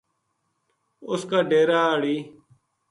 ا س کا ڈیرا ہاڑی